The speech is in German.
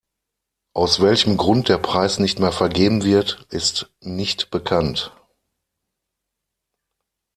Aus welchem Grund der Preis nicht mehr vergeben wird, ist nicht bekannt.